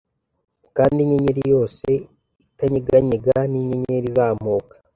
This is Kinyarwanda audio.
Kandi inyenyeri yose itanyeganyega ninyenyeri izamuka